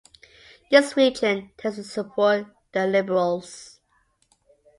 This region tends to support the Liberals.